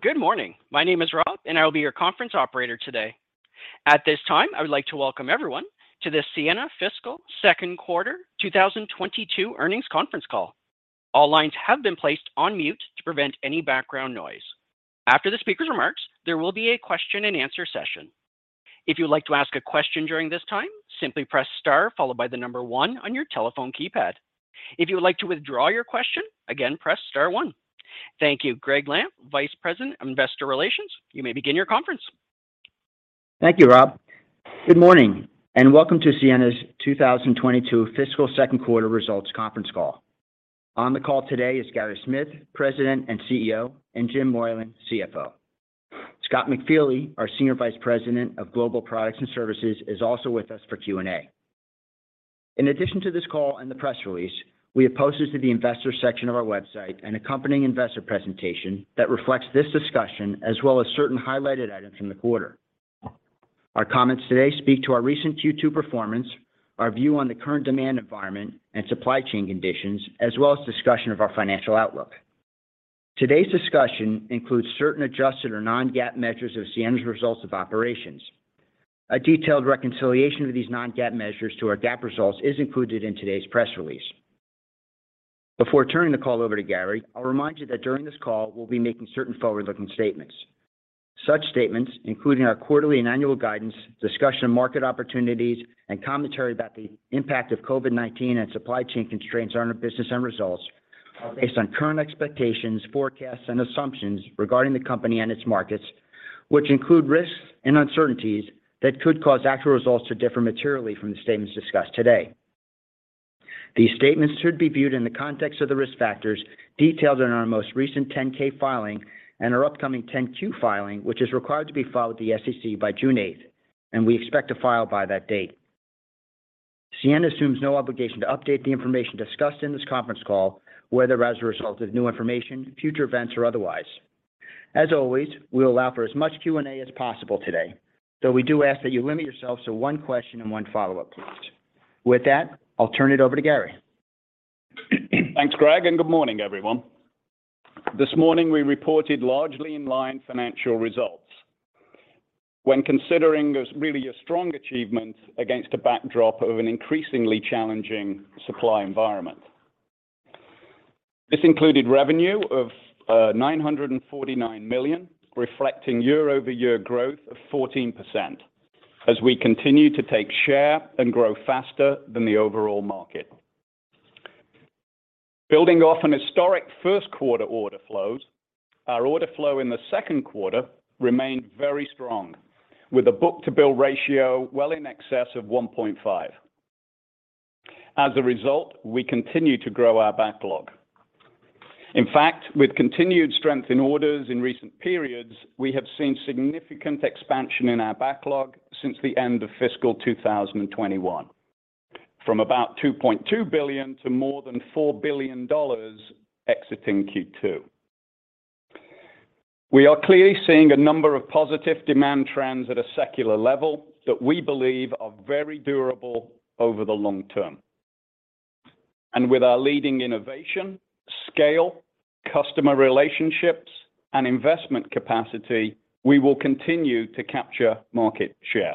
Good morning. My name is Rob, and I will be your conference operator today. At this time, I would like to welcome everyone to the Ciena Fiscal Second Quarter 2022 Earnings Conference Call. All lines have been placed on mute to prevent any background noise. After the speaker's remarks, there will be a question-and-answer session. If you would like to ask a question during this time, simply press star followed by the number one on your telephone keypad. If you would like to withdraw your question, again, press star one. Thank you. Gregg Lampf, Vice President of Investor Relations, you may begin your conference. Thank you, Rob. Good morning, and welcome to Ciena's 2022 fiscal second quarter results conference call. On the call today is Gary Smith, President, and CEO, and Jim Moylan, CFO. Scott McFeely, our Senior Vice President of Global Products and Services, is also with us for Q&A. In addition to this call and the press release, we have posted to the investors section of our website an accompanying investor presentation that reflects this discussion as well as certain highlighted items from the quarter. Our comments today speak to our recent Q2 performance, our view on the current demand environment and supply chain conditions, as well as discussion of our financial outlook. Today's discussion includes certain adjusted or non-GAAP measures of Ciena's results of operations. A detailed reconciliation of these non-GAAP measures to our GAAP results is included in today's press release. Before turning the call over to Gary, I'll remind you that during this call we'll be making certain forward-looking statements. Such statements, including our quarterly and annual guidance, discussion of market opportunities, and commentary about the impact of COVID-19 and supply chain constraints on our business and results, are based on current expectations, forecasts, and assumptions regarding the company and its markets, which include risks and uncertainties that could cause actual results to differ materially from the statements discussed today. These statements should be viewed in the context of the risk factors detailed in our most recent 10-K filing and our upcoming 10-Q filing, which is required to be filed with the SEC by June 8, and we expect to file by that date. Ciena assumes no obligation to update the information discussed in this conference call, whether as a result of new information, future events, or otherwise. As always, we'll allow for as much Q&A as possible today, though we do ask that you limit yourselves to one question and one follow-up, please. With that, I'll turn it over to Gary. Thanks, Gregg, and good morning, everyone. This morning we reported largely in-line financial results when considering this really a strong achievement against a backdrop of an increasingly challenging supply environment. This included revenue of $949 million, reflecting year-over-year growth of 14% as we continue to take share and grow faster than the overall market. Building off an historic first quarter order flows, our order flow in the second quarter remained very strong, with a book-to-bill ratio well in excess of 1.5. As a result, we continue to grow our backlog. In fact, with continued strength in orders in recent periods, we have seen significant expansion in our backlog since the end of fiscal 2021, from about $2.2 billion to more than $4 billion exiting Q2. We are clearly seeing a number of positive demand trends at a secular level that we believe are very durable over the long term. With our leading innovation, scale, customer relationships, and investment capacity, we will continue to capture market share.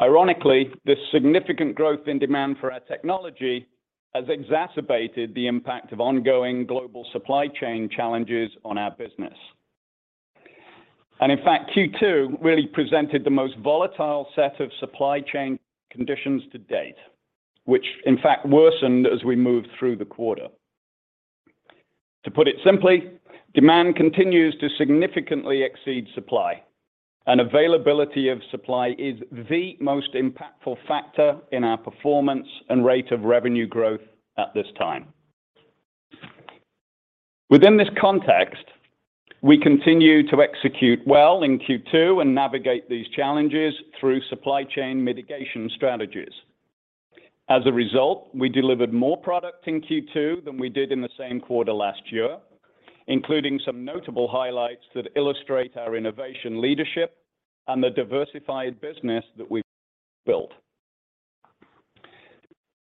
Ironically, this significant growth in demand for our technology has exacerbated the impact of ongoing global supply chain challenges on our business. In fact, Q2 really presented the most volatile set of supply chain conditions to date, which in fact worsened as we moved through the quarter. To put it simply, demand continues to significantly exceed supply, and availability of supply is the most impactful factor in our performance and rate of revenue growth at this time. Within this context, we continue to execute well in Q2 and navigate these challenges through supply chain mitigation strategies. As a result, we delivered more product in Q2 than we did in the same quarter last year, including some notable highlights that illustrate our innovation leadership and the diversified business that we've built.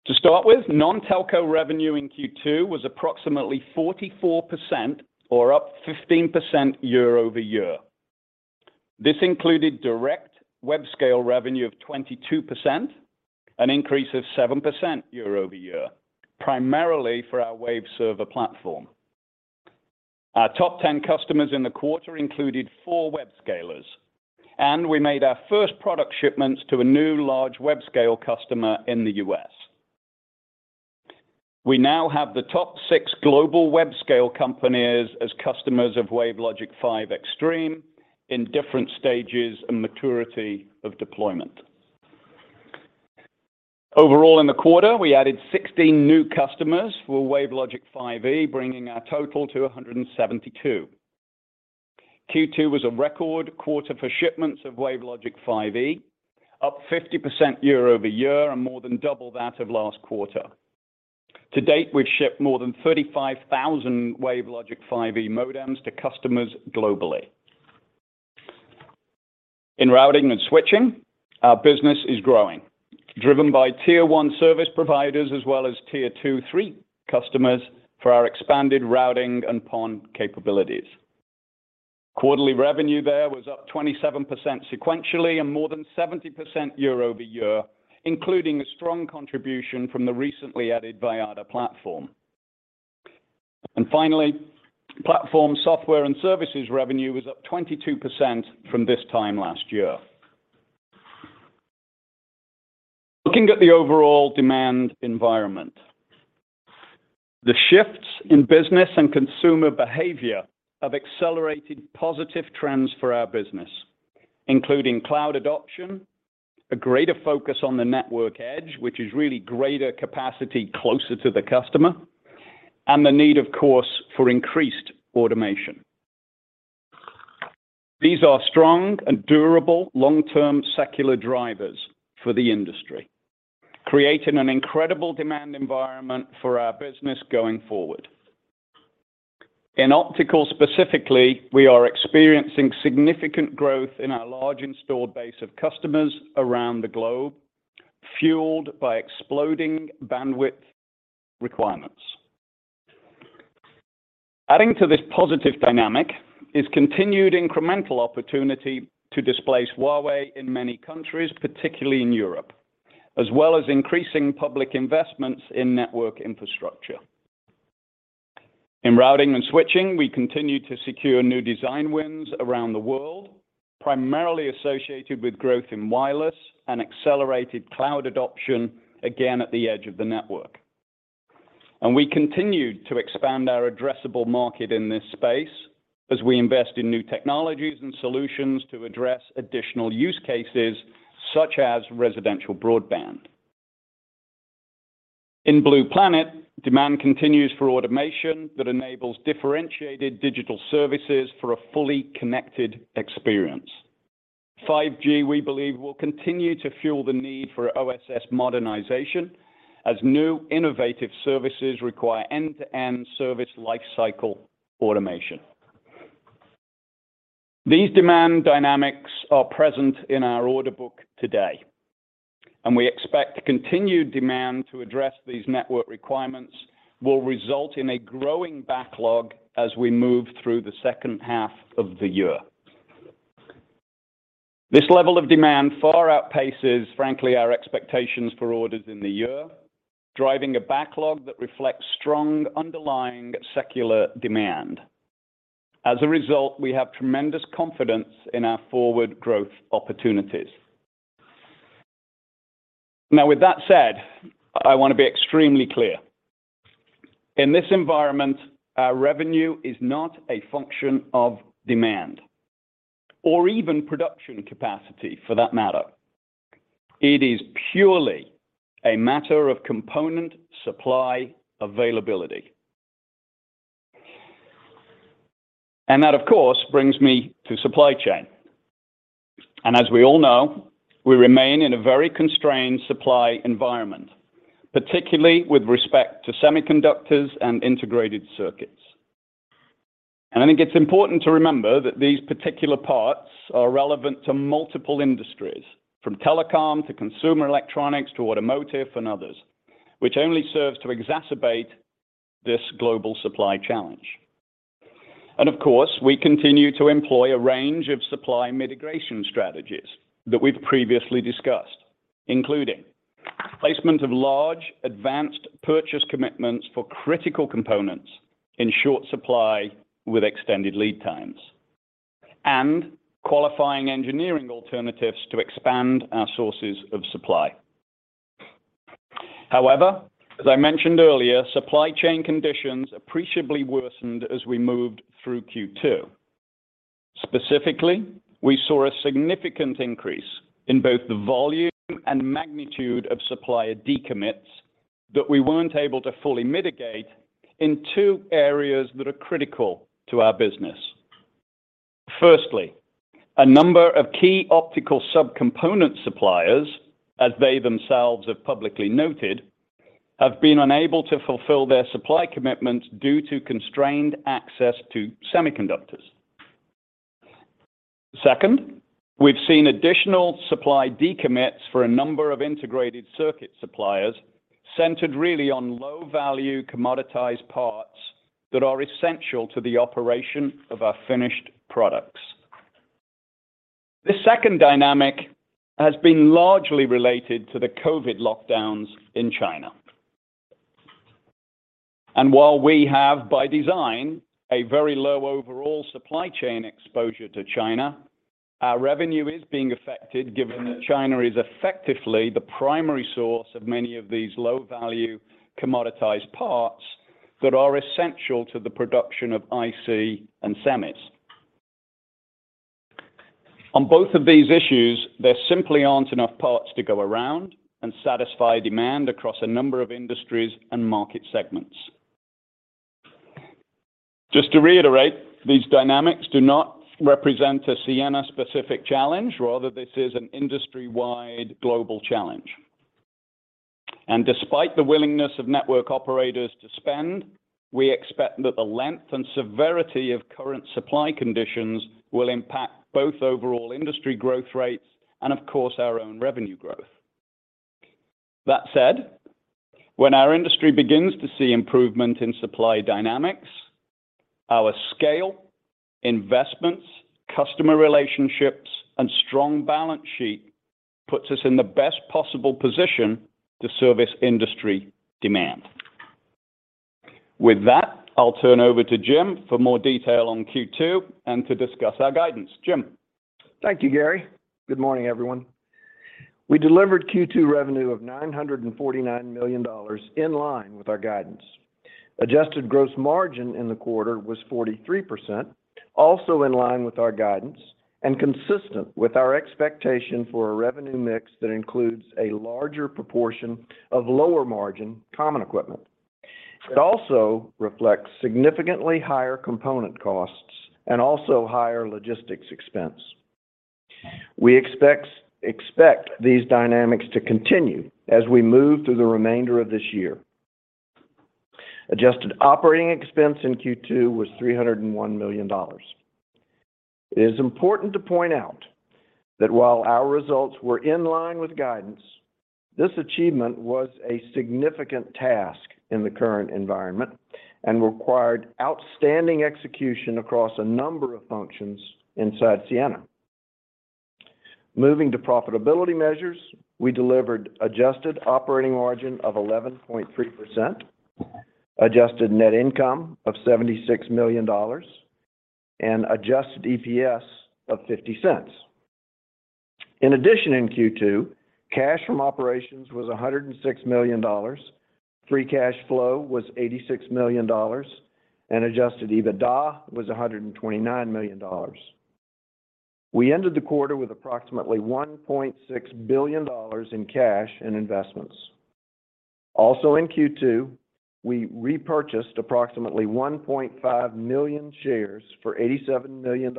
To start with, non-telco revenue in Q2 was approximately 44% or up 15% year-over-year. This included direct web scale revenue of 22%, an increase of 7% year-over-year, primarily for our Waveserver platform. Our top 10 customers in the quarter included four web scalers, and we made our first product shipments to a new large web scale customer in the U.S. We now have the top six global web scale companies as customers of WaveLogic 5 Extreme in different stages and maturity of deployment. Overall in the quarter, we added 16 new customers for WaveLogic 5E, bringing our total to 172. Q2 was a record quarter for shipments of WaveLogic 5E, up 50% year-over-year and more than double that of last quarter. To date, we've shipped more than 35,000 WaveLogic 5E modems to customers globally. In routing and switching, our business is growing, driven by tier one service providers as well as tier two, three customers for our expanded routing and PON capabilities. Quarterly revenue there was up 27% sequentially and more than 70% year-over-year, including a strong contribution from the recently added Vyatta platform. Finally, platform software and services revenue was up 22% from this time last year. Looking at the overall demand environment, the shifts in business and consumer behavior have accelerated positive trends for our business, including cloud adoption, a greater focus on the network edge, which is really greater capacity closer to the customer, and the need, of course, for increased automation. These are strong and durable long-term secular drivers for the industry, creating an incredible demand environment for our business going forward. In optical specifically, we are experiencing significant growth in our large installed base of customers around the globe, fueled by exploding bandwidth requirements. Adding to this positive dynamic is continued incremental opportunity to displace Huawei in many countries, particularly in Europe, as well as increasing public investments in network infrastructure. In Routing and Switching, we continue to secure new design wins around the world, primarily associated with growth in wireless and accelerated cloud adoption, again at the edge of the network. We continued to expand our addressable market in this space as we invest in new technologies and solutions to address additional use cases such as residential broadband. In Blue Planet, demand continues for automation that enables differentiated digital services for a fully connected experience. 5 G, we believe, will continue to fuel the need for OSS modernization as new innovative services require end-to-end service lifecycle automation. These demand dynamics are present in our order book today, and we expect continued demand to address these network requirements will result in a growing backlog as we move through the second half of the year. This level of demand far outpaces, frankly, our expectations for orders in the year, driving a backlog that reflects strong underlying secular demand. As a result, we have tremendous confidence in our forward growth opportunities. Now, with that said, I want to be extremely clear. In this environment, our revenue is not a function of demand or even production capacity for that matter. It is purely a matter of component supply availability. That, of course, brings me to supply chain. As we all know, we remain in a very constrained supply environment, particularly with respect to semiconductors and integrated circuits. I think it's important to remember that these particular parts are relevant to multiple industries, from telecom to consumer electronics to automotive and others, which only serves to exacerbate this global supply challenge. Of course, we continue to employ a range of supply mitigation strategies that we've previously discussed, including placement of large advanced purchase commitments for critical components in short supply with extended lead times and qualifying engineering alternatives to expand our sources of supply. However, as I mentioned earlier, supply chain conditions appreciably worsened as we moved through Q2. Specifically, we saw a significant increase in both the volume and magnitude of supplier decommits that we weren't able to fully mitigate in two areas that are critical to our business. Firstly, a number of key optical subcomponent suppliers, as they themselves have publicly noted, have been unable to fulfill their supply commitments due to constrained access to semiconductors. Second, we've seen additional supply decommits for a number of integrated circuit suppliers centered really on low value commoditized parts that are essential to the operation of our finished products. The second dynamic has been largely related to the COVID lockdowns in China. While we have, by design, a very low overall supply chain exposure to China, our revenue is being affected given that China is effectively the primary source of many of these low value commoditized parts that are essential to the production of IC and semis. On both of these issues, there simply aren't enough parts to go around and satisfy demand across a number of industries and market segments. Just to reiterate, these dynamics do not represent a Ciena-specific challenge. Rather, this is an industry-wide global challenge. Despite the willingness of network operators to spend, we expect that the length and severity of current supply conditions will impact both overall industry growth rates and, of course, our own revenue growth. That said, when our industry begins to see improvement in supply dynamics, our scale, investments, customer relationships, and strong balance sheet puts us in the best possible position to service industry demand. With that, I'll turn over to Jim for more detail on Q2 and to discuss our guidance. Jim. Thank you, Gary. Good morning, everyone. We delivered Q2 revenue of $949 million, in line with our guidance. Adjusted gross margin in the quarter was 43%, also in line with our guidance and consistent with our expectation for a revenue mix that includes a larger proportion of lower margin common equipment. It also reflects significantly higher component costs and also higher logistics expense. We expect these dynamics to continue as we move through the remainder of this year. Adjusted operating expense in Q2 was $301 million. It is important to point out that while our results were in line with guidance, this achievement was a significant task in the current environment and required outstanding execution across a number of functions inside Ciena. Moving to profitability measures, we delivered adjusted operating margin of 11.3%, adjusted net income of $76 million, and adjusted EPS of $0.50. In addition, in Q2, cash from operations was $106 million, free cash flow was $86 million, and adjusted EBITDA was $129 million. We ended the quarter with approximately $1.6 billion in cash and investments. Also in Q2, we repurchased approximately 1.5 million shares for $87 million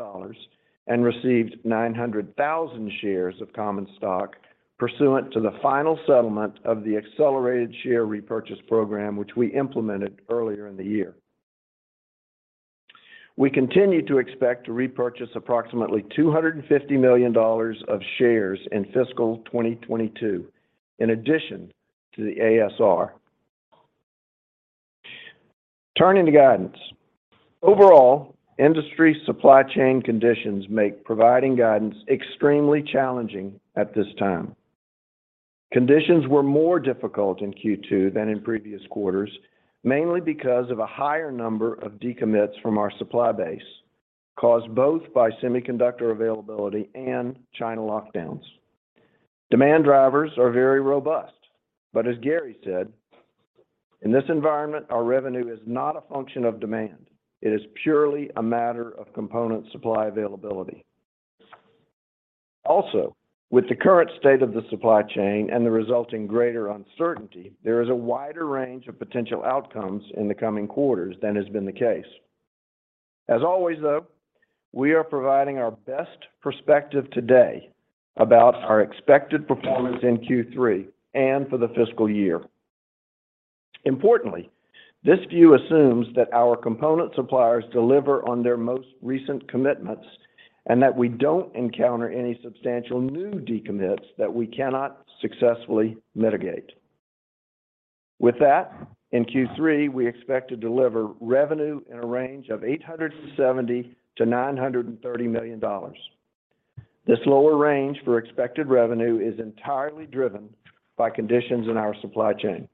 and received 900,000 shares of common stock pursuant to the final settlement of the accelerated share repurchase program, which we implemented earlier in the year. We continue to expect to repurchase approximately $250 million of shares in fiscal 2022 in addition to the ASR. Turning to guidance. Overall, industry supply chain conditions make providing guidance extremely challenging at this time. Conditions were more difficult in Q2 than in previous quarters, mainly because of a higher number of decommits from our supply base, caused both by semiconductor availability and China lockdowns. Demand drivers are very robust, but as Gary said, in this environment, our revenue is not a function of demand. It is purely a matter of component supply availability. Also, with the current state of the supply chain and the resulting greater uncertainty, there is a wider range of potential outcomes in the coming quarters than has been the case. As always, though, we are providing our best perspective today about our expected performance in Q3 and for the fiscal year. Importantly, this view assumes that our component suppliers deliver on their most recent commitments, and that we don't encounter any substantial new decommits that we cannot successfully mitigate. With that, in Q3, we expect to deliver revenue in a range of $870 million-$930 million. This lower range for expected revenue is entirely driven by conditions in our supply chain.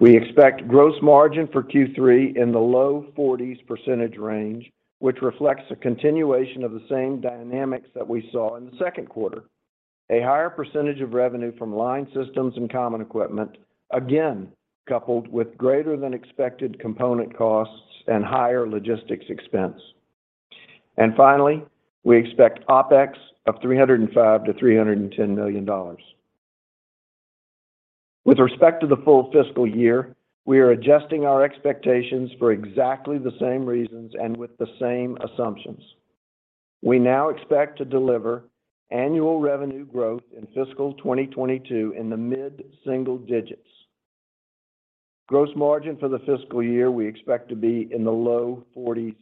We expect gross margin for Q3 in the low 40s% range, which reflects a continuation of the same dynamics that we saw in the second quarter. A higher percentage of revenue from line systems and common equipment, again coupled with greater than expected component costs and higher logistics expense. Finally, we expect OpEx of $305 million-$310 million. With respect to the full fiscal year, we are adjusting our expectations for exactly the same reasons and with the same assumptions. We now expect to deliver annual revenue growth in fiscal 2022 in the mid-single digits. Gross margin for the fiscal year, we expect to be in the low 40s%.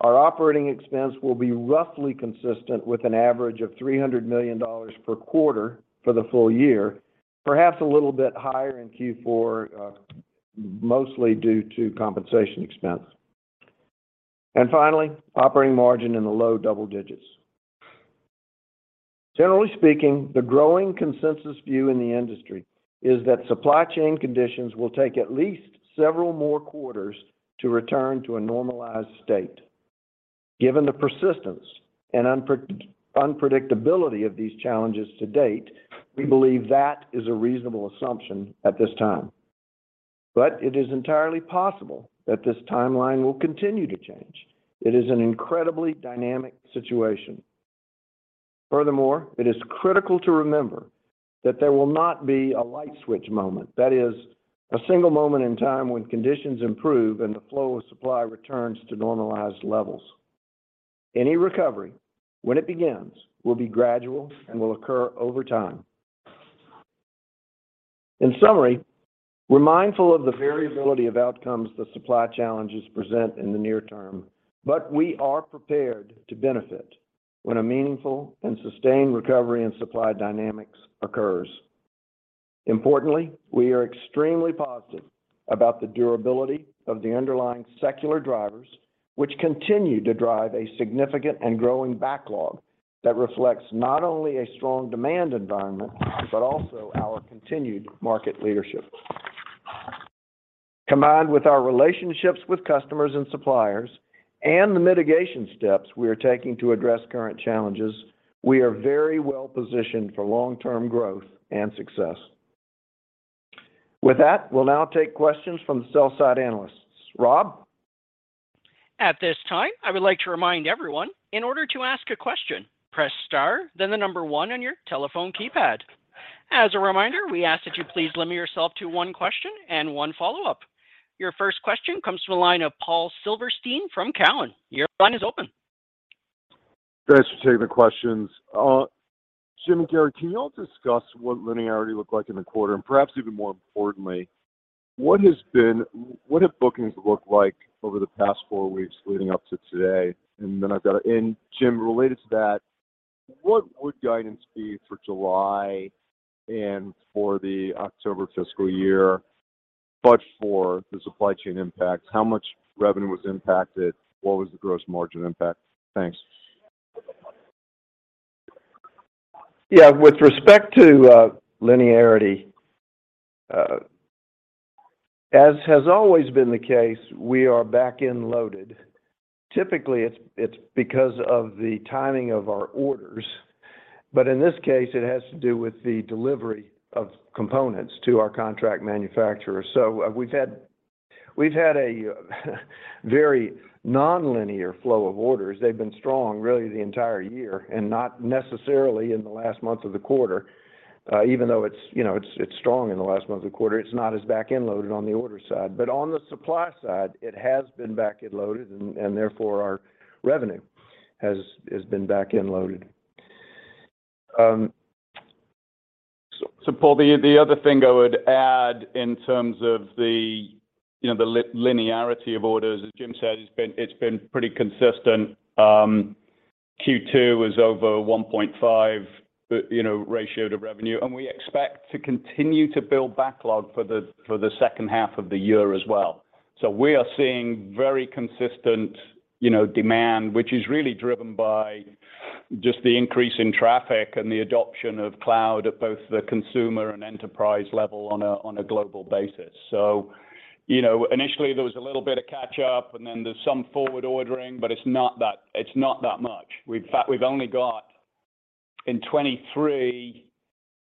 Our operating expense will be roughly consistent with an average of $300 million per quarter for the full year, perhaps a little bit higher in Q4, mostly due to compensation expense. Finally, operating margin in the low double digits. Generally speaking, the growing consensus view in the industry is that supply chain conditions will take at least several more quarters to return to a normalized state. Given the persistence and unpredictability of these challenges to date, we believe that is a reasonable assumption at this time. It is entirely possible that this timeline will continue to change. It is an incredibly dynamic situation. Furthermore, it is critical to remember that there will not be a light switch moment. That is, a single moment in time when conditions improve and the flow of supply returns to normalized levels. Any recovery, when it begins, will be gradual and will occur over time. In summary, we're mindful of the variability of outcomes the supply challenges present in the near term, but we are prepared to benefit when a meaningful and sustained recovery in supply dynamics occurs. Importantly, we are extremely positive about the durability of the underlying secular drivers, which continue to drive a significant and growing backlog that reflects not only a strong demand environment, but also our continued market leadership. Combined with our relationships with customers and suppliers and the mitigation steps we are taking to address current challenges, we are very well positioned for long-term growth and success. With that, we'll now take questions from the sell-side analysts. Rob? At this time, I would like to remind everyone, in order to ask a question, press star, then the number one on your telephone keypad. As a reminder, we ask that you please limit yourself to one question and one follow-up. Your first question comes from the line of Paul Silverstein from Cowen. Your line is open. Thanks for taking the questions. Jim and Gary, can you all discuss what linearity looked like in the quarter? Perhaps even more importantly, what have bookings looked like over the past four weeks leading up to today? Jim, related to that, what would guidance be for July and for the October fiscal year, but for the supply chain impacts? How much revenue was impacted? What was the gross margin impact? Thanks. Yeah. With respect to linearity, as has always been the case, we are back-end loaded. Typically, it's because of the timing of our orders. In this case, it has to do with the delivery of components to our contract manufacturers. We've had a very nonlinear flow of orders. They've been strong really the entire year and not necessarily in the last month of the quarter. Even though it's, you know, strong in the last month of the quarter, it's not as back-end loaded on the order side. On the supply side, it has been back-end loaded and therefore our revenue has been back-end loaded. Paul, the other thing I would add in terms of, you know, the linearity of orders, as Jim said, it's been pretty consistent. Q2 was over 1.5, you know, ratio to revenue, and we expect to continue to build backlog for the second half of the year as well. We are seeing very consistent, you know, demand, which is really driven by just the increase in traffic and the adoption of cloud at both the consumer and enterprise level on a global basis. You know, initially there was a little bit of catch up and then there's some forward ordering, but it's not that much. In fact, we've only got in 2023,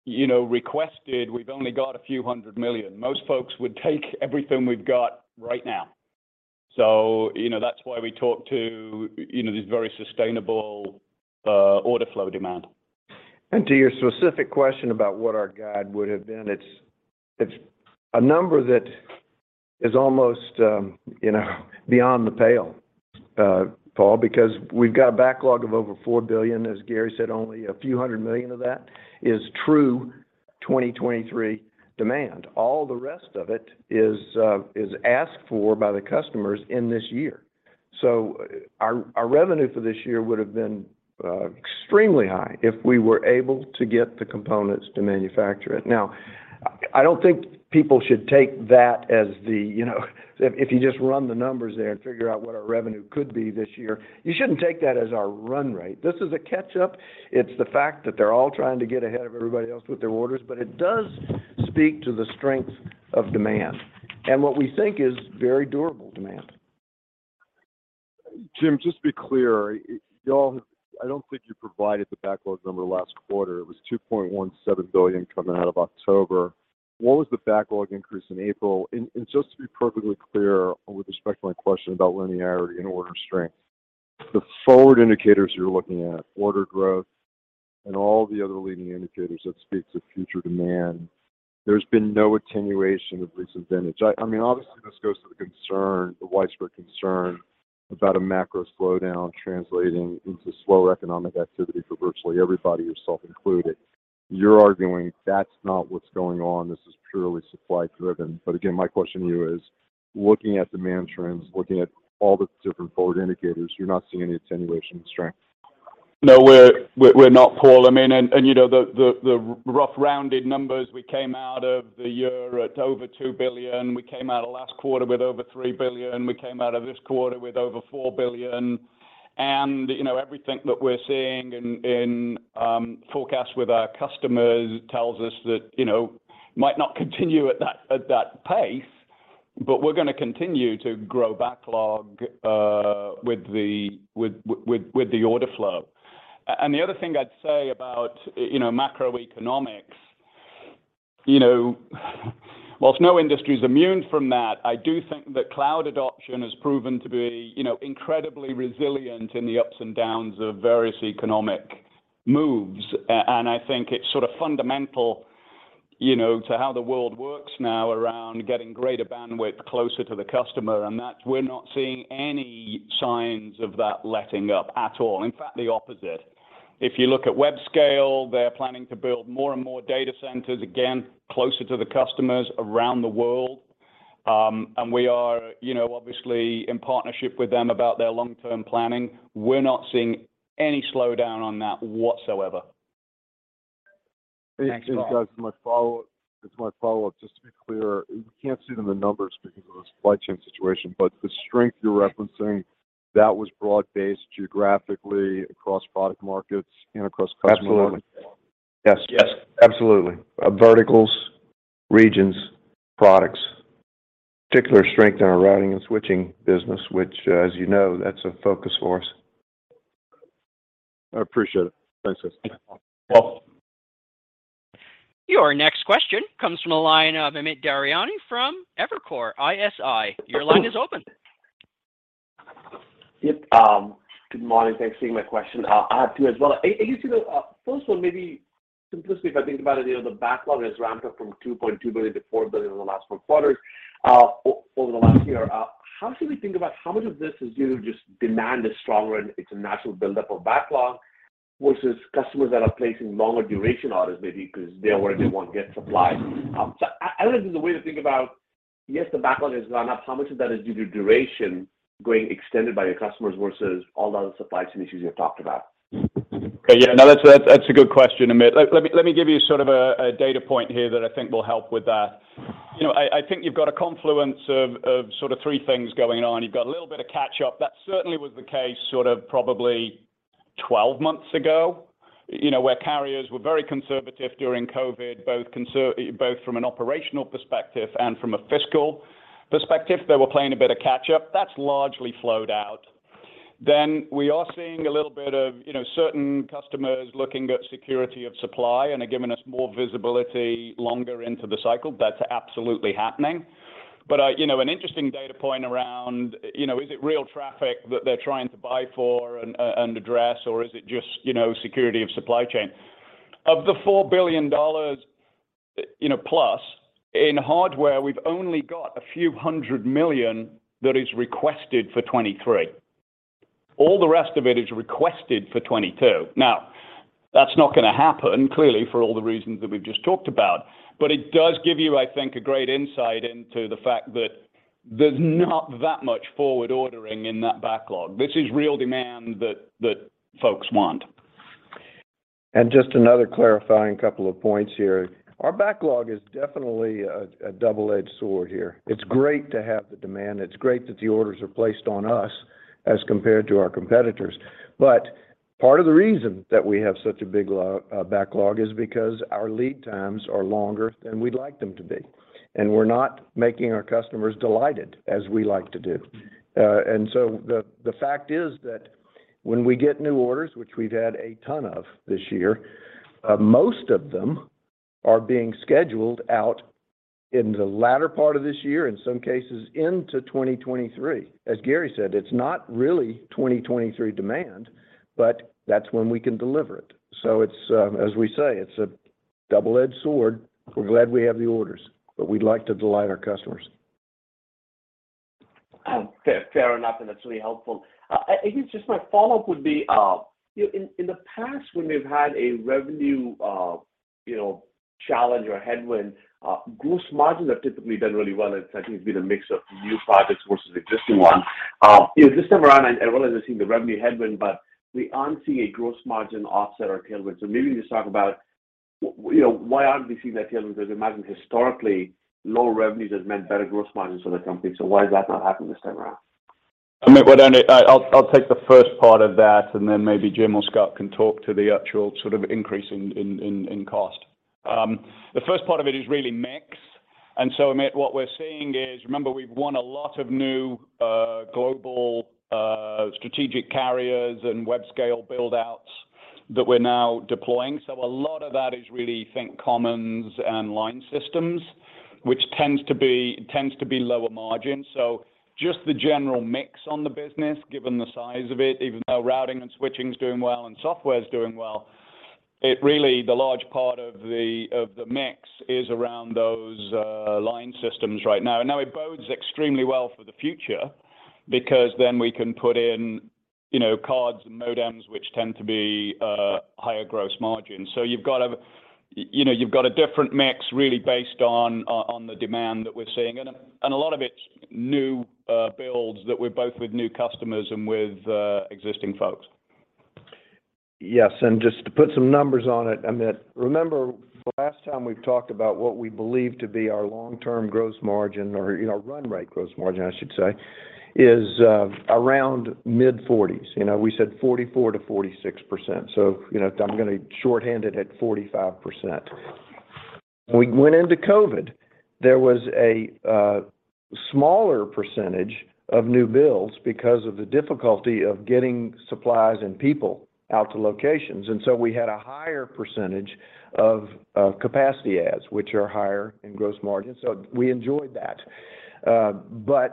you know, requested. We've only got $ a few hundred million. Most folks would take everything we've got right now. You know, that's why we talk to, you know, these very sustainable order flow demand. To your specific question about what our guide would have been. It's a number that is almost, you know, beyond the pale, Paul, because we've got a backlog of over $4 billion. As Gary said, only a few hundred million of that is true 2023 demand. All the rest of it is asked for by the customers in this year. Our revenue for this year would have been extremely high if we were able to get the components to manufacture it. Now, I don't think people should take that as the, you know, if you just run the numbers there and figure out what our revenue could be this year, you shouldn't take that as our run rate. This is a catch up. It's the fact that they're all trying to get ahead of everybody else with their orders. It does speak to the strength of demand and what we think is very durable demand. Jim, just to be clear, y'all have, I don't think you provided the backlog number last quarter. It was $2.17 billion coming out of October. What was the backlog increase in April? And just to be perfectly clear with respect to my question about linearity and order strength, the forward indicators you're looking at, order growth and all the other leading indicators that speaks of future demand, there's been no attenuation of recent vintage. I mean, obviously, this goes to the concern, the widespread concern about a macro slowdown translating into slower economic activity for virtually everybody, yourself included. You're arguing that's not what's going on, this is purely supply driven. But again, my question to you is, looking at demand trends, looking at all the different forward indicators, you're not seeing any attenuation in strength? No, we're not, Paul. I mean, you know, the rough rounded numbers, we came out of the year at over $2 billion. We came out of last quarter with over $3 billion. We came out of this quarter with over $4 billion. You know, everything that we're seeing in forecasts with our customers tells us that, you know, might not continue at that pace, but we're gonna continue to grow backlog with the order flow. The other thing I'd say about, you know, macroeconomics. You know, well, no industry is immune from that. I do think that cloud adoption has proven to be, you know, incredibly resilient in the ups and downs of various economic moves. I think it's sort of fundamental, you know, to how the world works now around getting greater bandwidth closer to the customer, and that we're not seeing any signs of that letting up at all. In fact, the opposite. If you look at Webscale, they're planning to build more and more data centers, again, closer to the customers around the world. We are, you know, obviously in partnership with them about their long-term planning. We're not seeing any slowdown on that whatsoever. Thanks, Gary. Hey guys, my follow-up, just to be clear, we can't see it in the numbers because of the supply chain situation, but the strength you're referencing, that was broad-based geographically across product markets and across customer markets. Absolutely. Yes. Yes. Absolutely. Verticals, regions, products, particular strength in our Routing and Switching business, which as you know, that's a focus for us. I appreciate it. Thanks, guys. Welcome. Your next question comes from the line of Amit Daryanani from Evercore ISI. Your line is open. Yep. Good morning. Thanks for taking my question. I'll add two as well. The first one may be simplistic if I think about it. You know, the backlog has ramped up from $2.2 billion-$4 billion in the last four quarters, over the last year. How should we think about how much of this is due to just demand is stronger and it's a natural buildup of backlog versus customers that are placing longer duration orders maybe because they're worried they won't get supply? I wonder if there's a way to think about, yes, the backlog has gone up. How much of that is due to duration going extended by your customers versus all the other supply chain issues you have talked about? Okay. Yeah, no, that's a good question, Amit. Let me give you sort of a data point here that I think will help with that. You know, I think you've got a confluence of sort of three things going on. You've got a little bit of catch-up. That certainly was the case sort of probably 12 months ago, you know, where carriers were very conservative during COVID, both from an operational perspective and from a fiscal perspective. They were playing a bit of catch-up. That's largely flowed out. Then we are seeing a little bit of, you know, certain customers looking at security of supply and are giving us more visibility longer into the cycle. That's absolutely happening. You know, an interesting data point around, you know, is it real traffic that they're trying to buy for and address, or is it just, you know, security of supply chain? Of the $4 billion, you know, plus, in hardware, we've only got a few hundred million that is requested for 2023. All the rest of it is requested for 2022. Now, that's not gonna happen, clearly, for all the reasons that we've just talked about. It does give you, I think, a great insight into the fact that there's not that much forward ordering in that backlog. This is real demand that folks want. Just another clarifying couple of points here. Our backlog is definitely a double-edged sword here. It's great to have the demand. It's great that the orders are placed on us as compared to our competitors. But part of the reason that we have such a big backlog is because our lead times are longer than we'd like them to be, and we're not making our customers delighted as we like to do. The fact is that when we get new orders, which we've had a ton of this year, most of them are being scheduled out into the latter part of this year, in some cases into 2023. As Gary said, it's not really 2023 demand, but that's when we can deliver it. It's, as we say, a double-edged sword. We're glad we have the orders, but we'd like to delight our customers. Fair enough, and that's really helpful. I guess just my follow-up would be, you know, in the past when we've had a revenue challenge or headwind, gross margins have typically done really well. I think it's been a mix of new products versus existing ones. You know, this time around, I realize I've seen the revenue headwind, but we aren't seeing a gross margin offset or tailwind. Maybe just talk about, you know, why aren't we seeing that tailwind? As I imagine historically, lower revenues has meant better gross margins for the company. Why is that not happening this time around? Amit, why don't I'll take the first part of that, and then maybe Jim or Scott can talk to the actual sort of increase in cost. The first part of it is really mix. Amit, what we're seeing is, remember we've won a lot of new global strategic carriers and webscale build-outs that we're now deploying. A lot of that is really think comms and line systems, which tends to be lower margin. Just the general mix on the business, given the size of it, even though Routing and Switching is doing well and software is doing well, it really, the large part of the mix is around those line systems right now. Now it bodes extremely well for the future because then we can put in, you know, cards and modems, which tend to be higher gross margin. You've got a different mix really based on the demand that we're seeing. A lot of it's new builds that we're both with new customers and with existing folks. Yes. Just to put some numbers on it, Amit, remember last time we talked about what we believe to be our long-term gross margin or, you know, run rate gross margin, I should say, is around mid-40s. You know, we said 44%-46%. I'm gonna shorthand it at 45%. We went into COVID. There was a smaller percentage of new builds because of the difficulty of getting supplies and people out to locations. We had a higher percentage of capacity adds, which are higher in gross margin. We enjoyed that.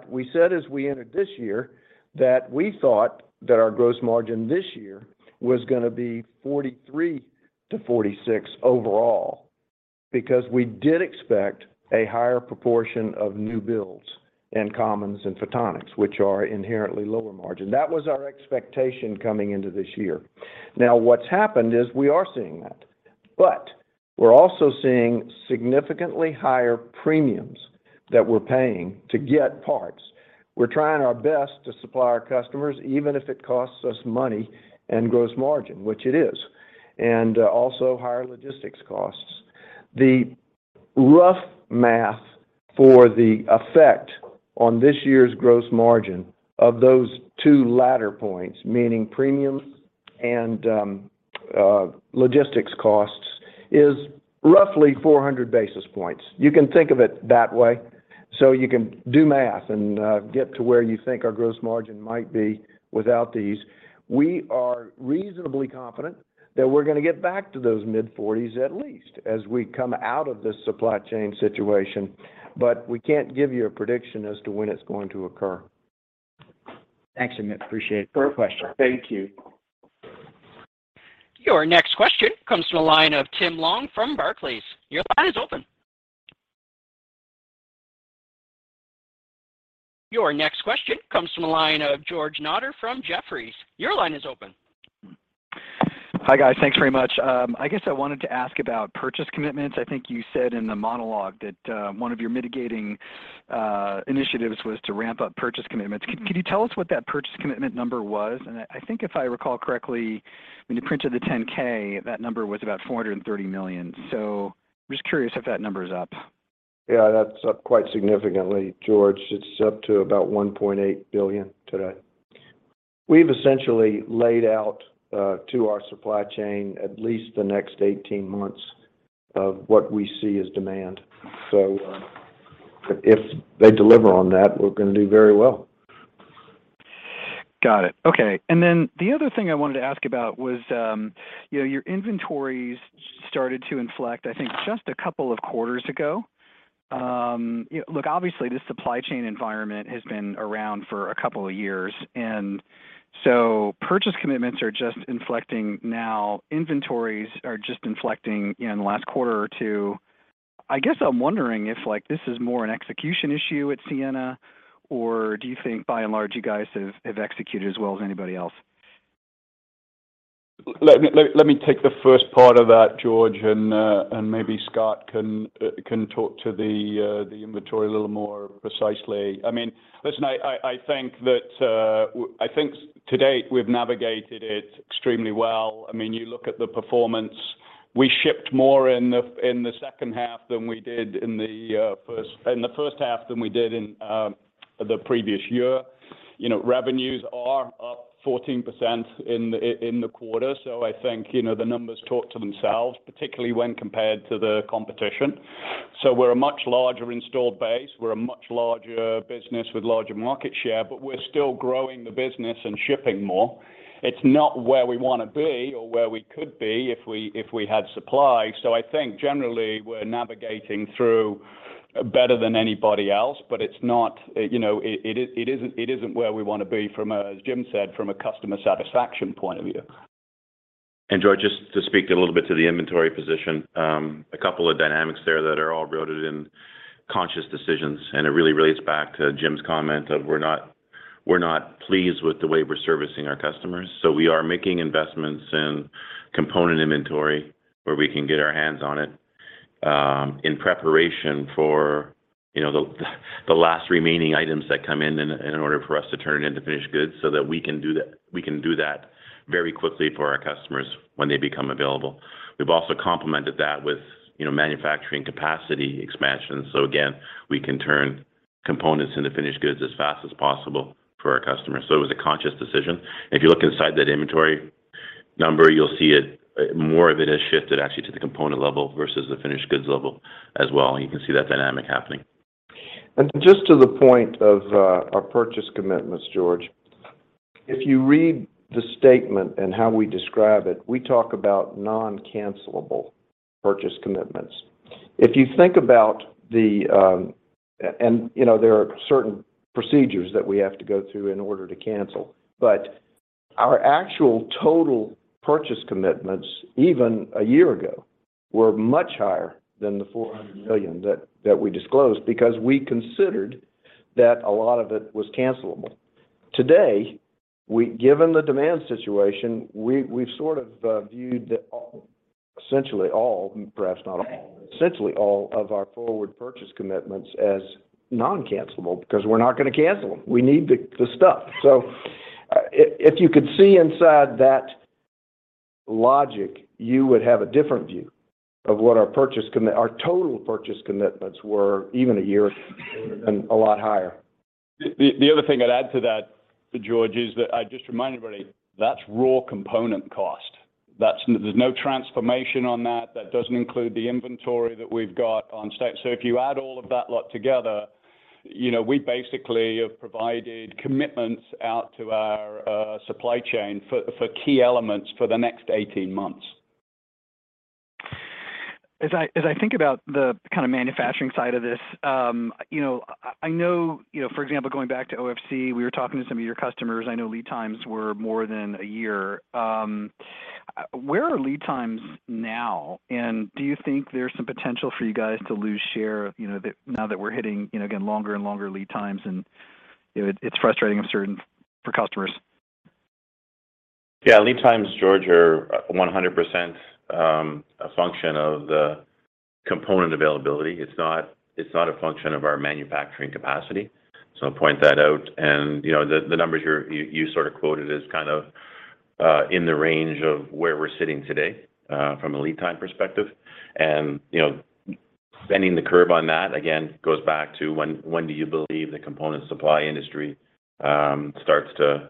We said as we entered this year that we thought that our gross margin this year was gonna be 43%-46% overall because we did expect a higher proportion of new builds in components and photonics, which are inherently lower margin. That was our expectation coming into this year. Now what's happened is we are seeing that, but we're also seeing significantly higher premiums that we're paying to get parts. We're trying our best to supply our customers, even if it costs us money and gross margin, which it is, and also higher logistics costs. The rough math for the effect on this year's gross margin of those two latter points, meaning premiums and logistics costs, is roughly 400 basis points. You can think of it that way, so you can do math and get to where you think our gross margin might be without these. We are reasonably confident that we're gonna get back to those mid-forties at least as we come out of this supply chain situation. We can't give you a prediction as to when it's going to occur. Thanks, Jim. Appreciate it. Great question. Thank you. Your next question comes from the line of Tim Long from Barclays. Your line is open. Your next question comes from the line of George Notter from Jefferies. Your line is open. Hi, guys. Thanks very much. I guess I wanted to ask about purchase commitments. I think you said in the monologue that one of your mitigating initiatives was to ramp up purchase commitments. Can you tell us what that purchase commitment number was? I think if I recall correctly, when you printed the 10-K, that number was about $400 million. Just curious if that number is up. Yeah, that's up quite significantly, George. It's up to about $1.8 billion today. We've essentially laid out to our supply chain at least the next 18 months of what we see as demand. If they deliver on that, we're gonna do very well. Got it. Okay. The other thing I wanted to ask about was, you know, your inventories started to inflect, I think, just a couple of quarters ago. You know, look, obviously, this supply chain environment has been around for a couple of years, and so purchase commitments are just inflecting now. Inventories are just inflecting in the last quarter or two. I guess I'm wondering if, like, this is more an execution issue at Ciena, or do you think by and large, you guys have executed as well as anybody else? Let me take the first part of that, George, and maybe Scott can talk to the inventory a little more precisely. I mean, listen, I think to date, we've navigated it extremely well. I mean, you look at the performance. We shipped more in the second half than we did in the first half than we did in the previous year. You know, revenues are up 14% in the quarter, so I think, you know, the numbers talk to themselves, particularly when compared to the competition. We're a much larger installed base. We're a much larger business with larger market share, but we're still growing the business and shipping more. It's not where we wanna be or where we could be if we had supply. I think generally we're navigating through better than anybody else, but it's not, you know, it isn't where we wanna be from a, as Jim said, from a customer satisfaction point of view. George, just to speak a little bit to the inventory position, a couple of dynamics there that are all rooted in conscious decisions, and it really relates back to Jim's comment of we're not pleased with the way we're servicing our customers. We are making investments in component inventory where we can get our hands on it, in preparation for, you know, the last remaining items that come in in order for us to turn it into finished goods so that we can do that very quickly for our customers when they become available. We've also complemented that with, you know, manufacturing capacity expansion. Again, we can turn components into finished goods as fast as possible for our customers. It was a conscious decision. If you look inside that inventory number, you'll see it, more of it has shifted actually to the component level versus the finished goods level as well. You can see that dynamic happening. Just to the point of our purchase commitments, George, if you read the statement and how we describe it, we talk about non-cancelable purchase commitments. If you think about the and you know, there are certain procedures that we have to go through in order to cancel. Our actual total purchase commitments, even a year ago, were much higher than the $400 million that we disclosed because we considered that a lot of it was cancelable. Today, given the demand situation, we've sort of viewed essentially all of our forward purchase commitments as non-cancelable because we're not gonna cancel them. We need the stuff. If you could see inside that logic, you would have a different view of what our purchase commitments. Our total purchase commitments, even a year ago, would have been a lot higher. The other thing I'd add to that, to George Notter, is that I just remind everybody that's raw component cost. That's. There's no transformation on that. That doesn't include the inventory that we've got on site. If you add all of that up together, you know, we basically have provided commitments out to our supply chain for key elements for the next 18 months. As I think about the kind of manufacturing side of this, you know, I know, you know, for example, going back to OFC, we were talking to some of your customers. I know lead times were more than a year. Where are lead times now? Do you think there's some potential for you guys to lose share, you know, now that we're hitting, you know, again, longer and longer lead times, and, you know, it's frustrating, I'm certain, for customers. Yeah. Lead times, George, are 100% a function of the component availability. It's not a function of our manufacturing capacity. I'll point that out. You know, the numbers you're sort of quoted is kind of in the range of where we're sitting today from a lead time perspective. You know, bending the curve on that again goes back to when do you believe the component supply industry starts to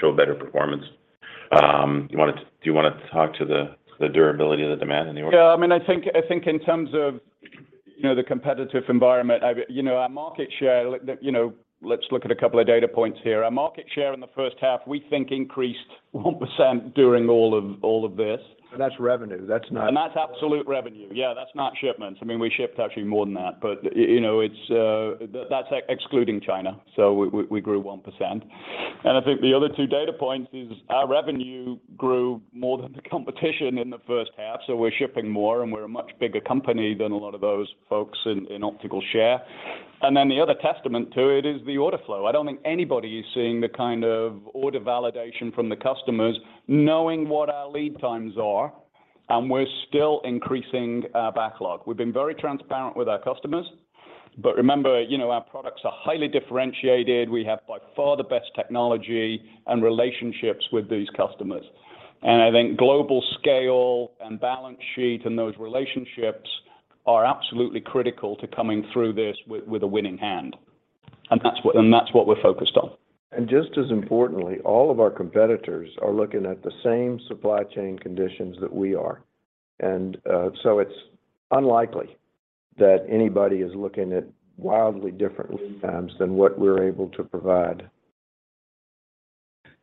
show better performance? Do you wanna talk to the durability of the demand anywhere? Yeah. I mean, I think in terms of, you know, the competitive environment. You know, our market share, you know, let's look at a couple of data points here. Our market share in the first half, we think increased 1% during all of this. That's revenue. That's not. That's absolute revenue. Yeah, that's not shipments. I mean, we shipped actually more than that. You know, it's... That's excluding China. We grew 1%. I think the other two data points is our revenue grew more than the competition in the first half, so we're shipping more, and we're a much bigger company than a lot of those folks in optical share. Then the other testament to it is the order flow. I don't think anybody is seeing the kind of order validation from the customers knowing what our lead times are, and we're still increasing our backlog. We've been very transparent with our customers. Remember, you know, our products are highly differentiated. We have by far the best technology and relationships with these customers. I think global scale and balance sheet and those relationships are absolutely critical to coming through this with a winning hand. That's what we're focused on. Just as importantly, all of our competitors are looking at the same supply chain conditions that we are. It's unlikely that anybody is looking at wildly different lead times than what we're able to provide.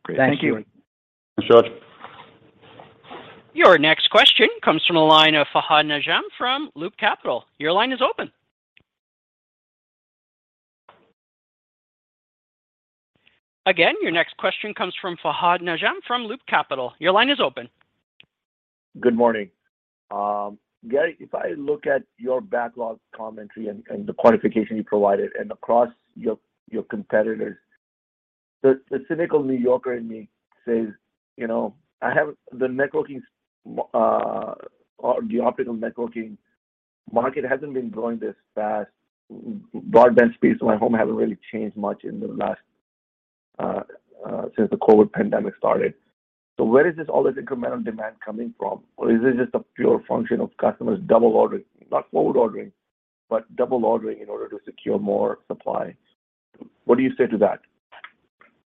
Great. Thank you. Thanks, George. Your next question comes from the line of Fahad Najam from Loop Capital. Your line is open. Again, your next question comes from Fahad Najam from Loop Capital. Your line is open. Good morning. Gary, if I look at your backlog commentary and the quantification you provided, and across your competitors, the cynical New Yorker in me says, you know, the networking or the optical networking market hasn't been growing this fast. Broadband speeds in my home haven't really changed much since the COVID pandemic started. Where is all this incremental demand coming from? Or is it just a pure function of customers double ordering, not forward ordering, but double ordering in order to secure more supply? What do you say to that?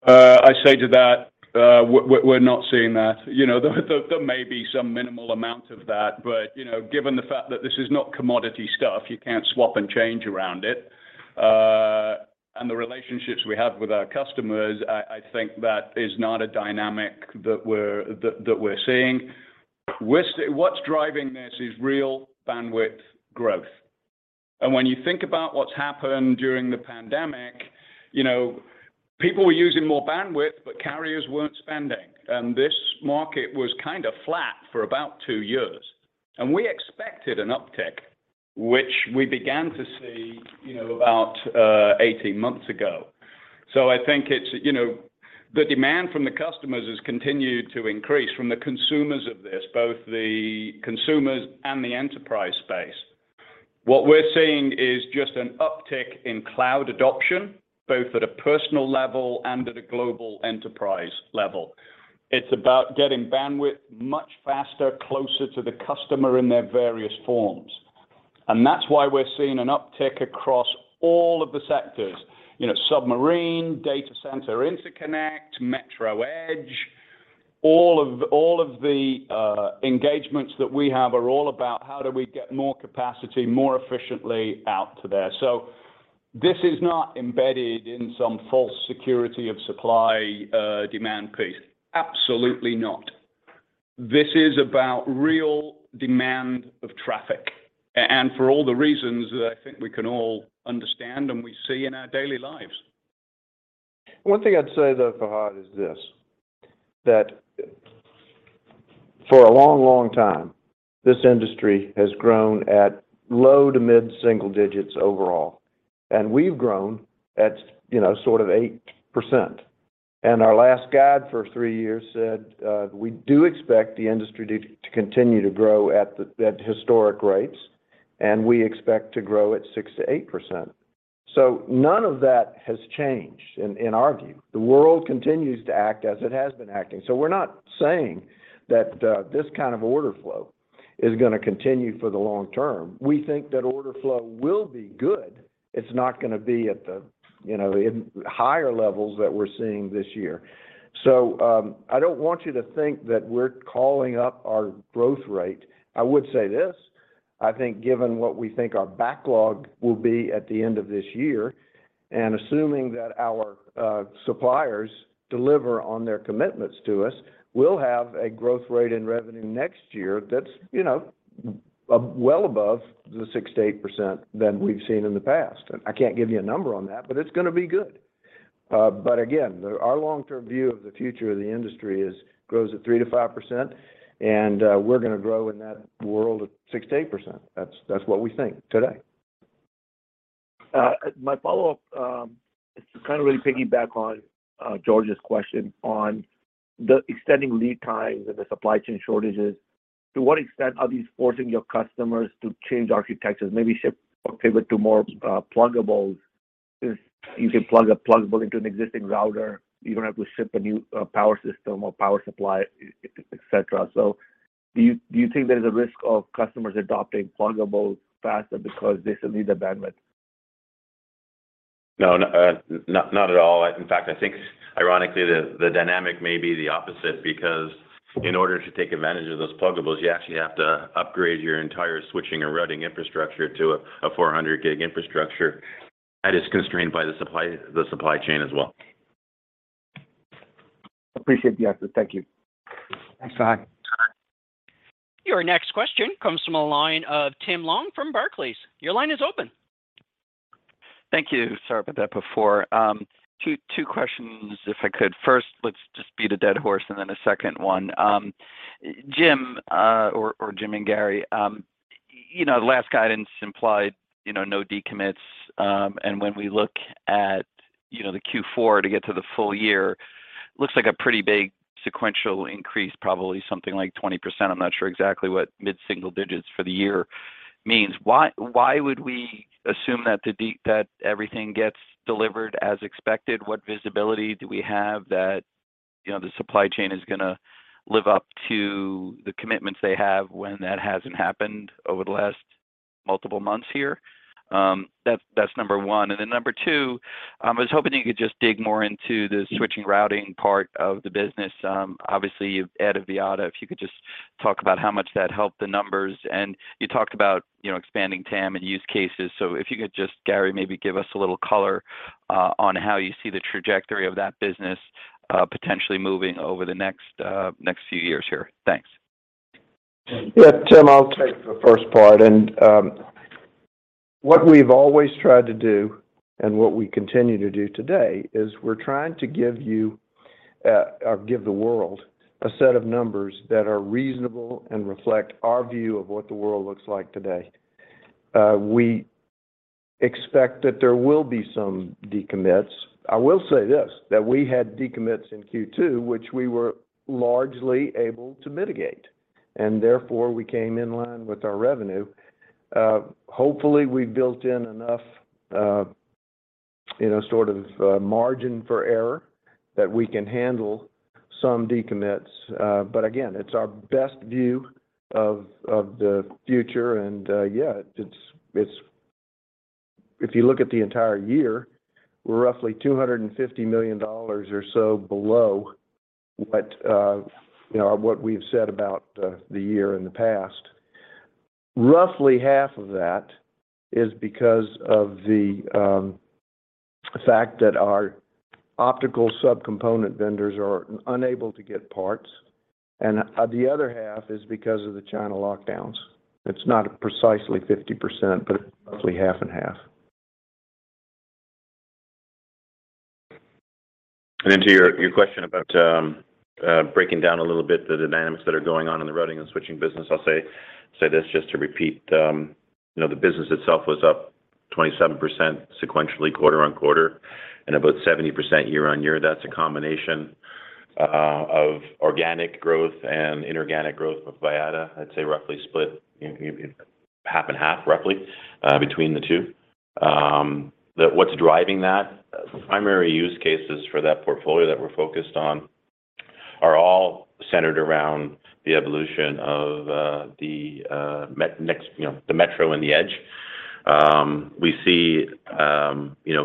I say to that, we're not seeing that. You know, there may be some minimal amount of that. You know, given the fact that this is not commodity stuff, you can't swap and change around it. The relationships we have with our customers, I think that is not a dynamic that we're seeing. What's driving this is real bandwidth growth. When you think about what's happened during the pandemic, you know, people were using more bandwidth, but carriers weren't spending. This market was kind of flat for about two years. We expected an uptick, which we began to see, you know, about 18 months ago. I think it's, you know, the demand from the customers has continued to increase from the consumers of this, both the consumers and the enterprise space. What we're seeing is just an uptick in cloud adoption, both at a personal level and at a global enterprise level. It's about getting bandwidth much faster, closer to the customer in their various forms. That's why we're seeing an uptick across all of the sectors. You know, submarine, data center, interconnect, metro edge, all of the engagements that we have are all about how do we get more capacity more efficiently out to there. This is not embedded in some false security of supply, demand piece. Absolutely not. This is about real demand of traffic and for all the reasons that I think we can all understand and we see in our daily lives. One thing I'd say, though, Fahad, is this, that for a long, long time, this industry has grown at low to mid single digits overall, and we've grown at, you know, sort of 8%. Our last guide for three years said, we do expect the industry to continue to grow at historic rates, and we expect to grow at 6%-8%. None of that has changed in our view. The world continues to act as it has been acting. We're not saying that this kind of order flow is gonna continue for the long term. We think that order flow will be good. It's not gonna be at the, you know, higher levels that we're seeing this year. I don't want you to think that we're calling up our growth rate. I would say this. I think given what we think our backlog will be at the end of this year, and assuming that our suppliers deliver on their commitments to us, we'll have a growth rate in revenue next year that's, you know, well above the 6%-8% than we've seen in the past. I can't give you a number on that, but it's gonna be good. Again, our long-term view of the future of the industry is grows at 3%-5%, and we're gonna grow in that world of 6%-8%. That's what we think today. My follow-up is to kind of really piggyback on George's question on the extending lead times and the supply chain shortages. To what extent are these forcing your customers to change architectures, maybe shift or pivot to more pluggables? If you can plug a pluggable into an existing router, you don't have to ship a new power system or power supply, et cetera. Do you think there's a risk of customers adopting pluggables faster because they still need the bandwidth? No, not at all. In fact, I think ironically, the dynamic may be the opposite because in order to take advantage of those pluggables, you actually have to upgrade your entire switching and routing infrastructure to a 400 gig infrastructure that is constrained by the supply chain as well. Appreciate the answer. Thank you. Thanks, Fahad. Your next question comes from the line of Tim Long from Barclays. Your line is open. Thank you. Sorry about that before. Two questions if I could. First, let's just beat a dead horse and then a second one. Jim, or Jim and Gary, you know, the last guidance implied, you know, no decommits, and when we look at, you know, the Q4 to get to the full year, looks like a pretty big sequential increase, probably something like 20%. I'm not sure exactly what mid-single digits for the year means. Why would we assume that everything gets delivered as expected? What visibility do we have that, you know, the supply chain is gonna live up to the commitments they have when that hasn't happened over the last multiple months here? That's number one. Then number two, I was hoping you could just dig more into the switching routing part of the business. Obviously, you've added Vyatta. If you could just talk about how much that helped the numbers. You talked about, you know, expanding TAM and use cases. If you could just, Gary, maybe give us a little color on how you see the trajectory of that business potentially moving over the next few years here. Thanks. Yeah, Tim, I'll take the first part. What we've always tried to do and what we continue to do today is we're trying to give you, or give the world a set of numbers that are reasonable and reflect our view of what the world looks like today. We expect that there will be some decommits. I will say this, that we had decommits in Q2, which we were largely able to mitigate, and therefore, we came in line with our revenue. Hopefully, we built in enough, you know, sort of, margin for error that we can handle some decommits. Again, it's our best view of the future. If you look at the entire year, we're roughly $250 million or so below what you know, what we've said about the year in the past. Roughly half of that is because of the fact that our optical subcomponent vendors are unable to get parts, and the other half is because of the China lockdowns. It's not precisely 50%, but roughly 50/50. To your question about breaking down a little bit the dynamics that are going on in the Routing and Switching business, I'll say this just to repeat. You know, the business itself was up 27% sequentially quarter-on-quarter and about 70% year-on-year. That's a combination of organic growth and inorganic growth of Vyatta, I'd say roughly split in 50/50 roughly between the two. What's driving that? The primary use cases for that portfolio that we're focused on are all centered around the evolution of the metro and the edge. You know, we see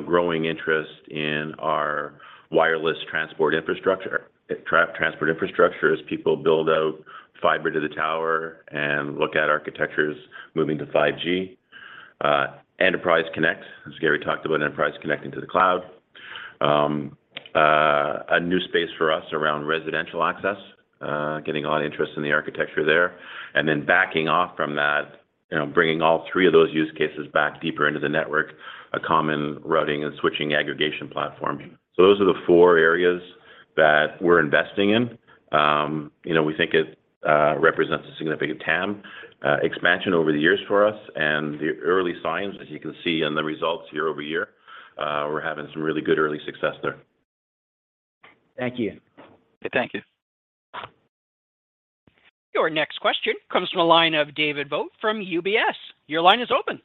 growing interest in our wireless transport infrastructure as people build out fiber to the tower and look at architectures moving to 5 G. Enterprise Connect, as Gary talked about, enterprise connecting to the cloud. A new space for us around residential access, getting a lot of interest in the architecture there. Backing off from that, you know, bringing all three of those use cases back deeper into the network, a common Routing and Switching aggregation platform. Those are the four areas that we're investing in. You know, we think it represents a significant TAM expansion over the years for us and the early signs, as you can see in the results year-over-year, we're having some really good early success there. Thank you. Thank you. Your next question comes from a line of David Vogt from UBS. Your line is open.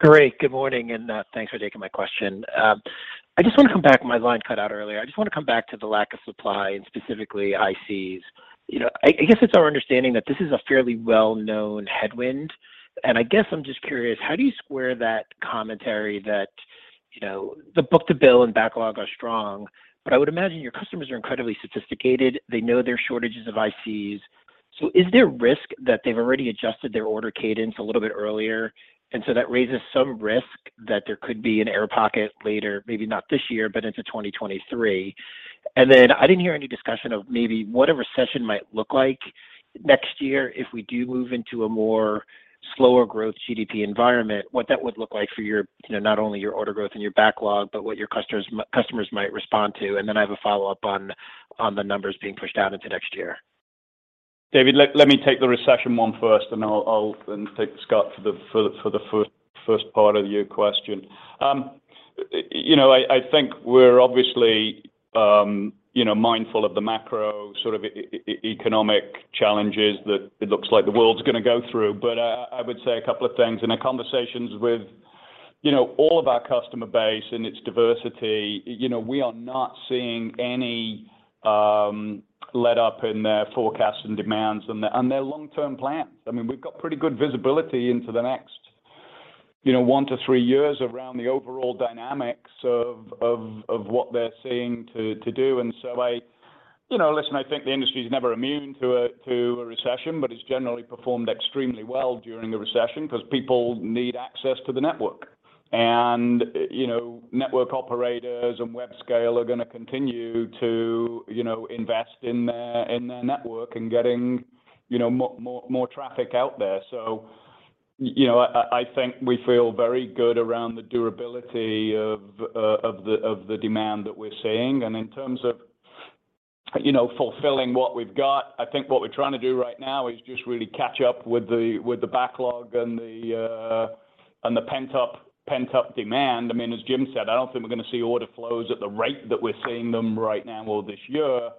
Great. Good morning, and thanks for taking my question. My line cut out earlier. I just want to come back to the lack of supply and specifically ICs. You know, I guess it's our understanding that this is a fairly well-known headwind, and I guess I'm just curious, how do you square that commentary that, you know, the book-to-bill and backlog are strong, but I would imagine your customers are incredibly sophisticated. They know there are shortages of ICs. Is there risk that they've already adjusted their order cadence a little bit earlier, and so that raises some risk that there could be an air pocket later, maybe not this year, but into 2023? I didn't hear any discussion of maybe what a recession might look like next year if we do move into a more slower growth GDP environment, what that would look like for your, you know, not only your order growth and your backlog, but what your customers might respond to. I have a follow-up on the numbers being pushed out into next year. David, let me take the recession one first, and then I'll then take Scott for the first part of your question. You know, I think we're obviously, you know, mindful of the macro sort of economic challenges that it looks like the world's going to go through. I would say a couple of things. In our conversations with, you know, all of our customer base and its diversity, you know, we are not seeing any letup in their forecast and demands and their long-term plans. I mean, we've got pretty good visibility into the next, you know, one to three years around the overall dynamics of what they're seeking to do. You know, listen, I think the industry is never immune to a recession, but it's generally performed extremely well during the recession because people need access to the network. You know, network operators and web scale are going to continue to, you know, invest in their network and getting, you know, more traffic out there. You know, I think we feel very good around the durability of the demand that we're seeing. In terms of, you know, fulfilling what we've got, I think what we're trying to do right now is just really catch up with the backlog and the pent-up demand. I mean, as Jim said, I don't think we're going to see order flows at the rate that we're seeing them right now or this year,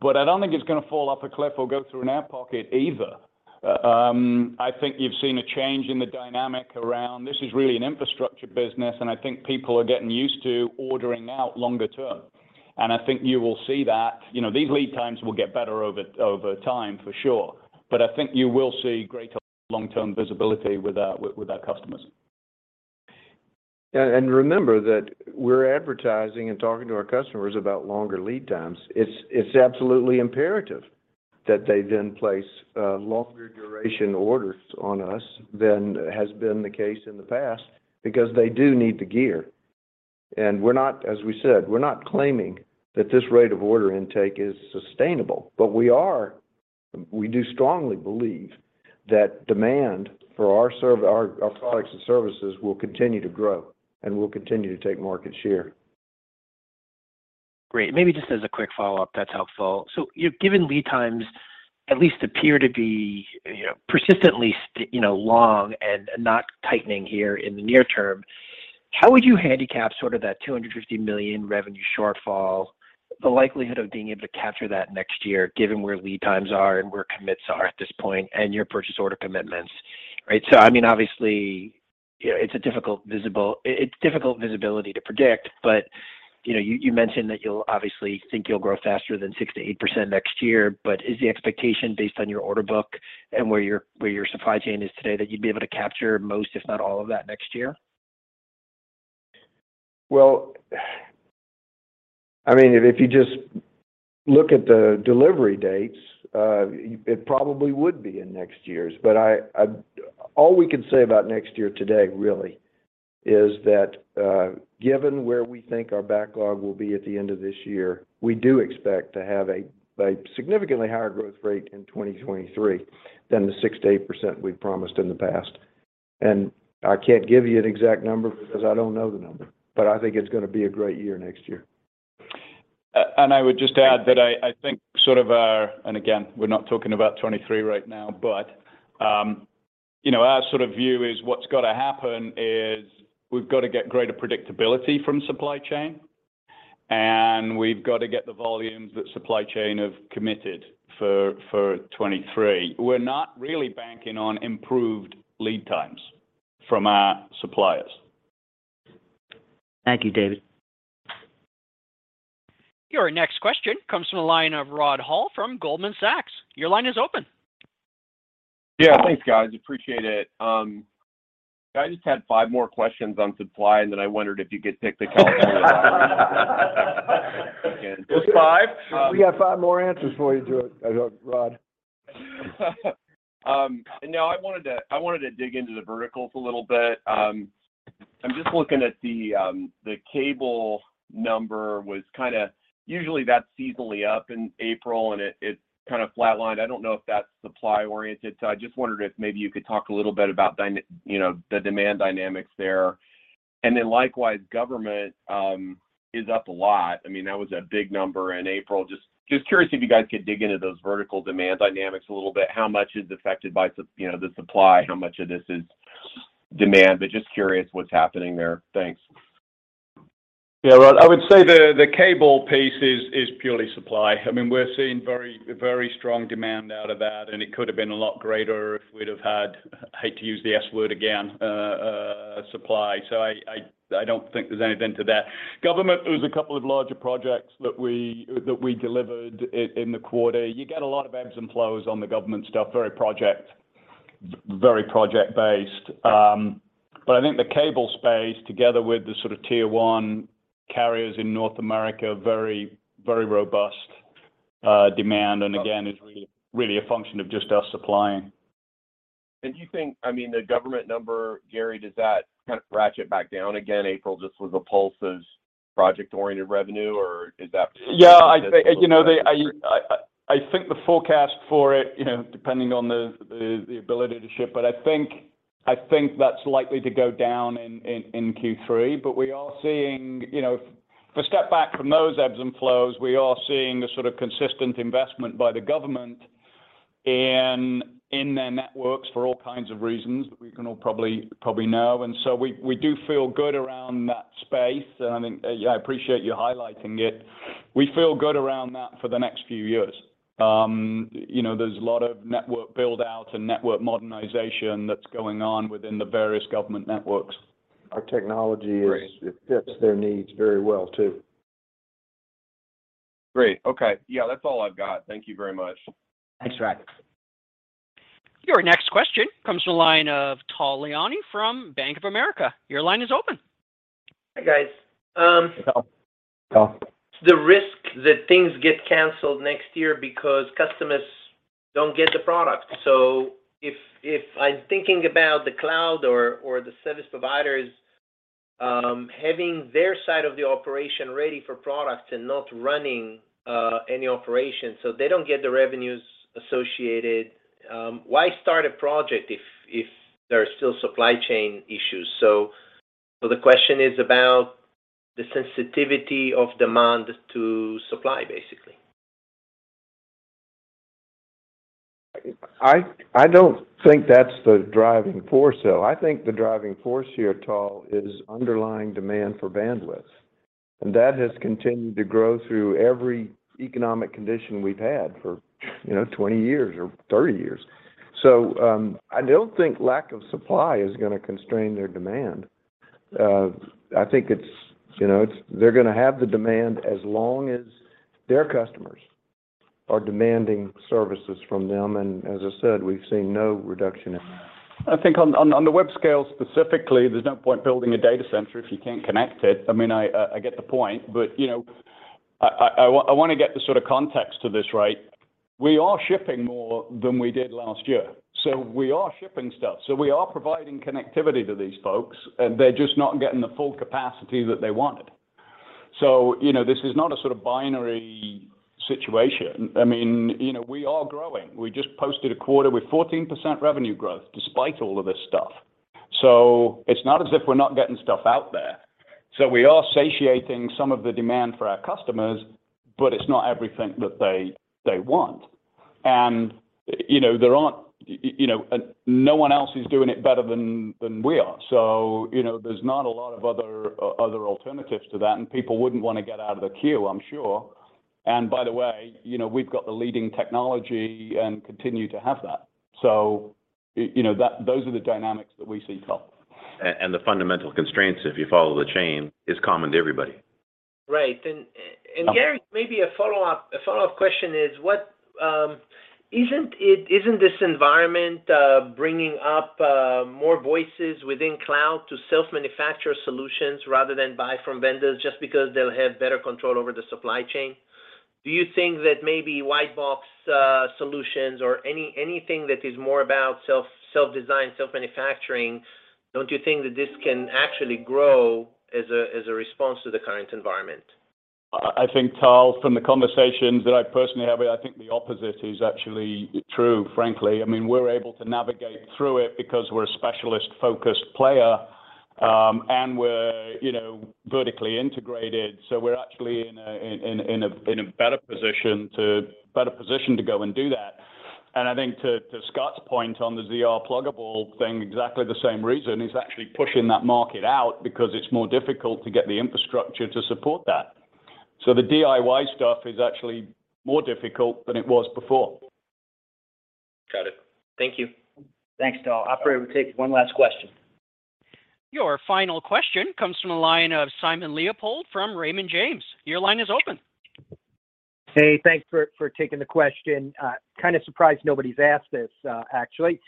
but I don't think it's going to fall off a cliff or go through an air pocket either. I think you've seen a change in the dynamic around this is really an infrastructure business, and I think people are getting used to ordering out longer term. I think you will see that. You know, these lead times will get better over time, for sure. I think you will see greater long-term visibility with our customers. Remember that we're advertising and talking to our customers about longer lead times. It's absolutely imperative that they then place longer duration orders on us than has been the case in the past because they do need the gear. We're not, as we said, claiming that this rate of order intake is sustainable, but we do strongly believe that demand for our products and services will continue to grow and will continue to take market share. Great. Maybe just as a quick follow-up, that's helpful. You know, given lead times at least appear to be, you know, persistently long and not tightening here in the near term, how would you handicap sort of that $250 million revenue shortfall, the likelihood of being able to capture that next year, given where lead times are and where commits are at this point and your purchase order commitments? Right. I mean, obviously, you know, it's difficult visibility to predict. You know, you mentioned that you'll obviously think you'll grow faster than 6%-8% next year. Is the expectation based on your order book and where your supply chain is today that you'd be able to capture most, if not all of that next year? Well, I mean, if you just look at the delivery dates, it probably would be in next year. All we can say about next year today, really, is that, given where we think our backlog will be at the end of this year, we do expect to have a significantly higher growth rate in 2023 than the 6%-8% we've promised in the past. I can't give you an exact number because I don't know the number, but I think it's going to be a great year next year. I would just add that I think, and again, we're not talking about 2023 right now, but you know, our sort of view is what's got to happen is we've got to get greater predictability from supply chain, and we've got to get the volumes that supply chain have committed for 2023. We're not really banking on improved lead times from our suppliers. Thank you, David. Your next question comes from the line of Rod Hall from Goldman Sachs. Your line is open. Yeah. Thanks, guys. Appreciate it. I just had five more questions on supply, and then I wondered if you could take the call from. Just five? We got five more answers for you, Rod. No, I wanted to dig into the verticals a little bit. I'm just looking at the cable number. Usually that's seasonally up in April, and it's kinda flatlined. I don't know if that's supply-oriented. I just wondered if maybe you could talk a little bit about you know, the demand dynamics there. Then likewise, government is up a lot. I mean, that was a big number in April. Just curious if you guys could dig into those vertical demand dynamics a little bit. How much is affected by you know, the supply? How much of this is demand? Just curious what's happening there. Thanks. Yeah, Rod, I would say the cable piece is purely supply. I mean, we're seeing very, very strong demand out of that, and it could have been a lot greater if we'd have had, hate to use the S word again, supply. I don't think there's anything to that. Government, there was a couple of larger projects that we delivered in the quarter. You get a lot of ebbs and flows on the government stuff, very project based. But I think the cable space together with the sort of tier one carriers in North America, very, very robust demand and again is really, really a function of just us supplying. Do you think I mean, the government number, Gary, does that kind of ratchet back down in April just with the pulse's project-oriented revenue, or is that. Yeah, I think, you know, I think the forecast for it, you know, depending on the ability to ship, but I think that's likely to go down in Q3. We are seeing, you know, if we step back from those ebbs and flows, we are seeing the sort of consistent investment by the government in their networks for all kinds of reasons that we can all probably know. We do feel good around that space, and I think, yeah, I appreciate you highlighting it. We feel good around that for the next few years. You know, there's a lot of network build-out and network modernization that's going on within the various government networks. Our technology is. Great It fits their needs very well too. Great. Okay. Yeah, that's all I've got. Thank you very much. Thanks, Rod. Your next question comes from the line of Tal Liani from Bank of America. Your line is open. Hi, guys. Hey, Tal. Tal. The risk that things get canceled next year because customers don't get the product. If I'm thinking about the cloud or the service providers, having their side of the operation ready for products and not running any operations, so they don't get the revenues associated, why start a project if there are still supply chain issues? The question is about the sensitivity of demand to supply, basically. I don't think that's the driving force, though. I think the driving force here, Tal, is underlying demand for bandwidth. That has continued to grow through every economic condition we've had for, you know, 20 years or 30 years. I don't think lack of supply is gonna constrain their demand. I think they're gonna have the demand as long as their customers are demanding services from them. As I said, we've seen no reduction in that. I think on the web scale specifically, there's no point building a data center if you can't connect it. I mean, I get the point, but, you know, I wanna get the sort of context to this, right? We are shipping more than we did last year, so we are shipping stuff. So we are providing connectivity to these folks, and they're just not getting the full capacity that they wanted. So, you know, this is not a sort of binary situation. I mean, you know, we are growing. We just posted a quarter with 14% revenue growth despite all of this stuff. So it's not as if we're not getting stuff out there. So we are satiating some of the demand for our customers, but it's not everything that they want. You know, there aren't, you know, no one else is doing it better than we are. You know, there's not a lot of other alternatives to that, and people wouldn't want to get out of the queue, I'm sure. By the way, you know, we've got the leading technology and continue to have that. You know, those are the dynamics that we see, Tal. The fundamental constraints, if you follow the chain, is common to everybody. Right. Gary, maybe a follow-up question is what, isn't it this environment bringing up more voices within cloud to self-manufacture solutions rather than buy from vendors just because they'll have better control over the supply chain? Do you think that maybe white box solutions or anything that is more about self-design, self-manufacturing? Don't you think that this can actually grow as a response to the current environment? I think, Tal, from the conversations that I personally have, I think the opposite is actually true, frankly. I mean, we're able to navigate through it because we're a specialist-focused player, and we're, you know, vertically integrated, so we're actually in a better position to go and do that. I think to Scott's point on the ZR pluggable thing, exactly the same reason. It's actually pushing that market out because it's more difficult to get the infrastructure to support that. The DIY stuff is actually more difficult than it was before. Got it. Thank you. Thanks, Tal. Operator, we'll take one last question. Your final question comes from the line of Simon Leopold from Raymond James. Your line is open. Hey, thanks for taking the question. Kind of surprised nobody's asked this, actually.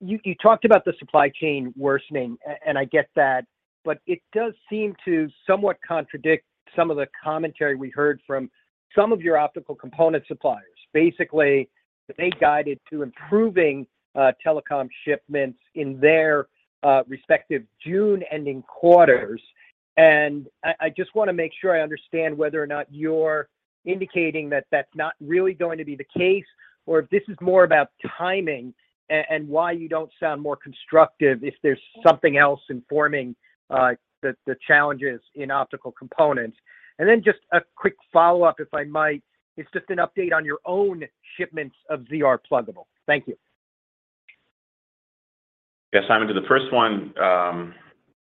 You talked about the supply chain worsening, and I get that, but it does seem to somewhat contradict some of the commentary we heard from some of your optical component suppliers. Basically, they guided to improving telecom shipments in their respective June ending quarters. I just wanna make sure I understand whether or not you're indicating that that's not really going to be the case, or if this is more about timing and why you don't sound more constructive if there's something else informing the challenges in optical components. Then just a quick follow-up, if I might. It's just an update on your own shipments of ZR pluggable. Thank you. Yeah, Simon, to the first one,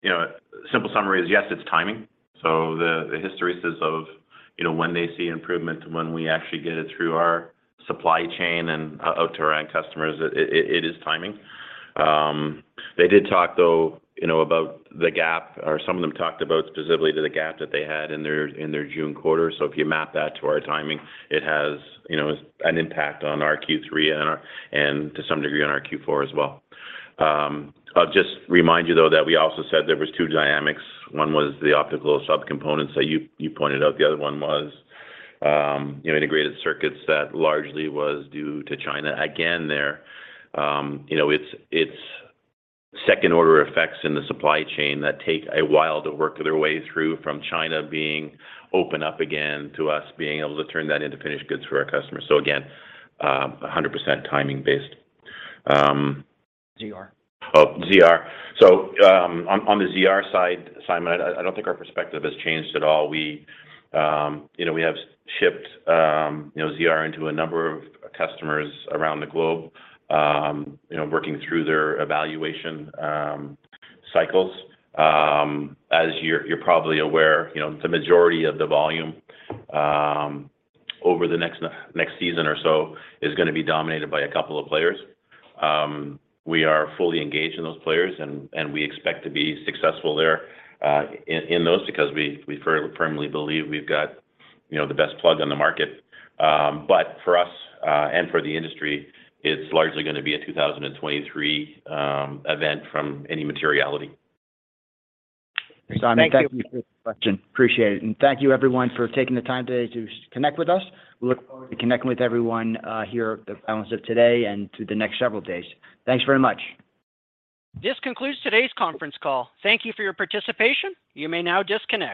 you know, simple summary is yes, it's timing. The hysteresis of, you know, when they see improvement to when we actually get it through our supply chain and out to our end customers, it is timing. They did talk though, you know, about the gap, or some of them talked about specifically to the gap that they had in their June quarter. If you map that to our timing, it has, you know, an impact on our Q3 and to some degree on our Q4 as well. I'll just remind you though that we also said there was two dynamics. One was the optical subcomponents that you pointed out. The other one was, you know, integrated circuits that largely was due to China. Again, you know, it's second order effects in the supply chain that take a while to work their way through from China being open up again to us being able to turn that into finished goods for our customers. Again, 100% timing based. ZR. Oh, ZR. On the ZR side, Simon, I don't think our perspective has changed at all. We, you know, we have shipped, you know, ZR into a number of customers around the globe, you know, working through their evaluation cycles. As you're probably aware, you know, the majority of the volume, over the next season or so is gonna be dominated by a couple of players. We are fully engaged in those players and we expect to be successful there, in those because we firmly believe we've got, you know, the best plug on the market. For us, and for the industry, it's largely gonna be a 2023 event from any materiality. Thank you. Simon, thank you for the question. Appreciate it. Thank you everyone for taking the time today to connect with us. We look forward to connecting with everyone, here at the conference of today and to the next several days. Thanks very much. This concludes today's conference call. Thank you for your participation. You may now disconnect.